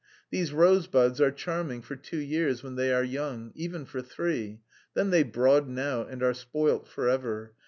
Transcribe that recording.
These rose buds are charming for two years when they are young... even for three... then they broaden out and are spoilt forever...